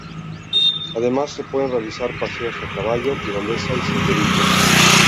Además, se pueden realizar, paseos a caballo, tirolesa y senderismo.